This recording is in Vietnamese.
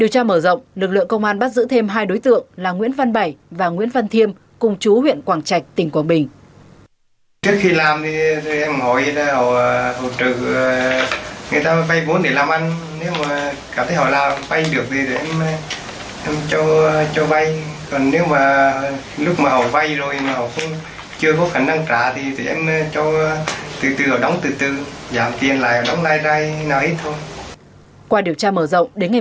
thời điểm kiểm tra đối tượng bùi thế đợi chú ở huyện quảng trạch tỉnh quảng bình đang vào phòng trọ chuẩn bị lấy tờ rơi đi giải